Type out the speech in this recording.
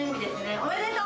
おめでとう！